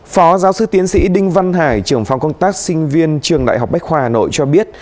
phó giáo sư tiến sĩ đinh văn hải trưởng phòng công tác sinh viên trường đại học bách khoa hà nội cho biết